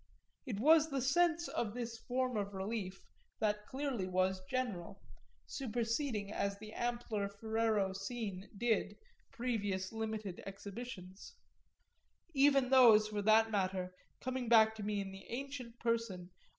It was the sense for this form of relief that clearly was general, superseding as the ampler Ferrero scene did previous limited exhibitions; even those, for that matter, coming back to me in the ancient person of M.